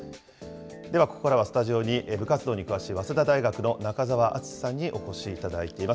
では、ここからはスタジオに部活動に詳しい早稲田大学の中澤篤史さんにお越しいただいております。